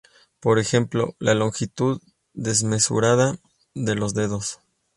Por ejemplo, la longitud desmesurada de los dedos.